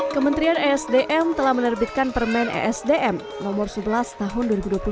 kementerian esdm telah menerbitkan permen esdm nomor sebelas tahun dua ribu dua puluh satu